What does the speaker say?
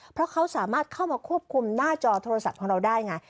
เพราะเขาสามารถเข้ามาควบคุมหน้าจอโทรศัพท์ของเราได้ไง